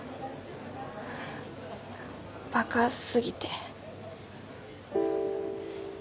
バカ過ぎて。